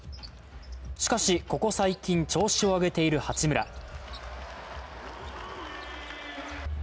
しかし、ここ最近、調子を上げている八村。